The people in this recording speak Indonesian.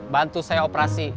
bantu saya operasi